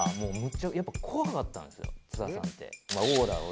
津田さんって。